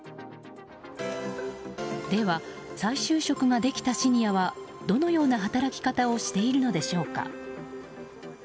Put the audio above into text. では、再就職ができたシニアはどのような働き方をしているのでしょうか。